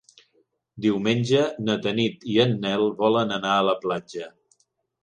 Diumenge na Tanit i en Nel volen anar a la platja.